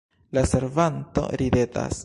La servanto ridetas.